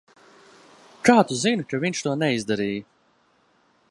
Kā tu zini, ka viņš to neizdarīja?